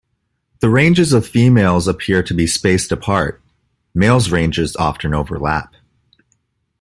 The ranges of females appear to be spaced apart; males' ranges often overlap.